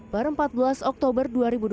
pada empat belas oktober dua ribu dua puluh satu